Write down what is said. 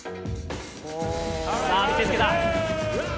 さあ、見せつけた！